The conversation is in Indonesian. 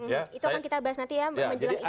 itu akan kita bahas nanti ya